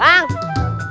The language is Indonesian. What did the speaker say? kau bisa melihat rakyat